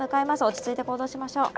落ち着いて行動しましょう。